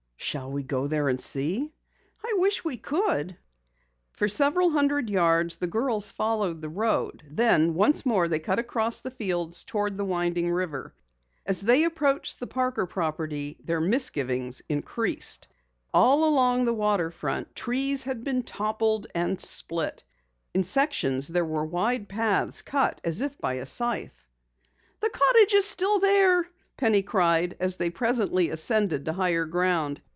"Shall we go there and see?" "I wish we could." For several hundred yards the girls followed the road, then once more they cut across the fields toward the winding river. As they approached the Parker property their misgivings increased. All along the water front, trees had been toppled and split. In sections there were wide paths cut as if by a scythe. "The cottage is still there!" Penny cried as they presently ascended to higher ground.